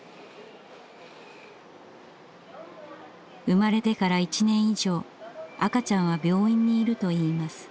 生まれてから１年以上赤ちゃんは病院にいるといいます。